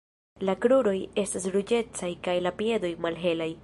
La kruroj estas ruĝecaj kaj la piedoj malhelaj.